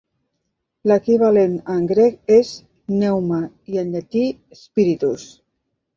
L'equivalent en grec és "pneuma" i en llatí "spiritus".